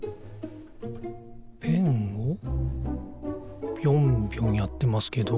ペンをぴょんぴょんやってますけど。